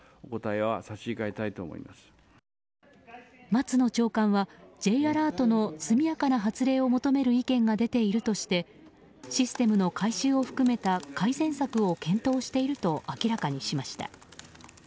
松野長官はＪアラートの速やかな発令を求める意見が出ているとしてシステムの改修を含めた改善策を検討していると明らかにしました。